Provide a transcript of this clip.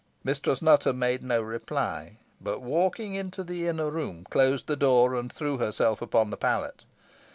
Mistress Nutter made no reply, but, walking into the inner room, closed the door, and threw herself upon the pallet.